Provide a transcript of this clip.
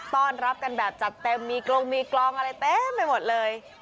ต้อนรับกันแบบจัดเต็มมีกรงมีกลองอะไรเต็มไปหมดเลย